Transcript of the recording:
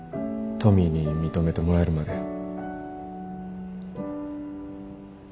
トミーに認めてもらえるまで。